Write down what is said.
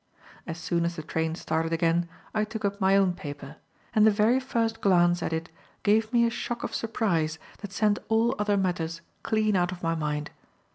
As soon as the train started again, I took up my own paper; and the very first glance at it gave me a shock of surprise that sent all other matters clean out of my mind.